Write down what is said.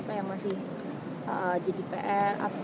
apa yang masih gdpr